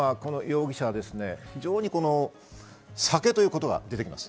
この容疑者は非常に、酒という言葉が出てきます。